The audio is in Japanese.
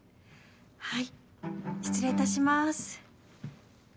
はい失礼いたします。